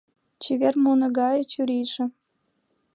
Чевер муно гане чурийже